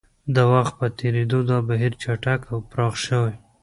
د وخت په تېرېدو دا بهیر چټک او پراخ شوی